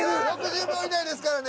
６０秒以内ですからね。